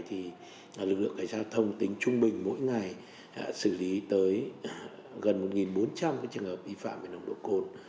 thì lực lượng cảnh giao thông tính trung bình mỗi ngày xử lý tới gần một bốn trăm linh trường hợp vi phạm về nồng độ cồn